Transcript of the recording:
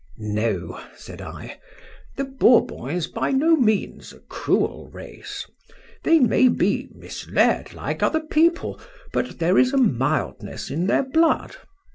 —No—said I—the Bourbon is by no means a cruel race: they may be misled, like other people; but there is a mildness in their blood.